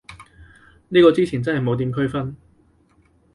呢個之前真係冇點區分